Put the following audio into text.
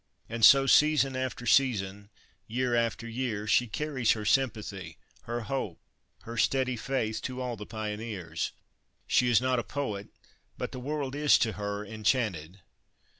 And so season after season, year after year, she carries her sympathy, her hope, her steady faith to all the pioneers. She is not a poet, but the world is to her enchanted.